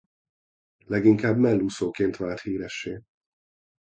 Leginkább mellúszóként vált híressé.